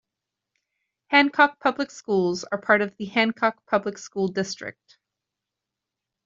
Hancock Public Schools are part of the Hancock Public School District.